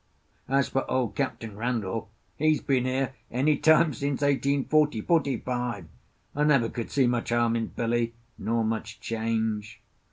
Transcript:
As for old Captain Randall, he's been here any time since eighteen forty, forty five. I never could see much harm in Billy, nor much change.